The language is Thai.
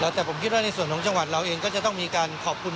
แต่ผมคิดว่าในส่วนของจังหวัดเราเองก็จะต้องมีการขอบคุณ